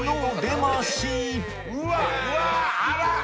うわあら！